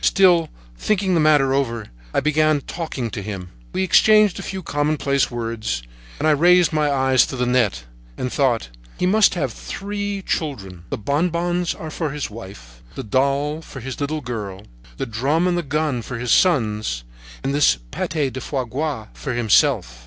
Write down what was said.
Still thinking the matter over, I began talking to him. We had exchanged a few commonplace words; and I raised my eyes to the net, and thought: "He must have three children: the bonbons are for his wife, the doll for his little girl, the drum and the gun for his sons, and this pate de foies gras for himself."